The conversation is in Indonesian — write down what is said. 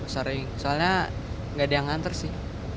sering soalnya nggak ada yang nganter sih